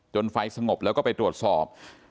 ไฟสงบแล้วก็ไปตรวจสอบ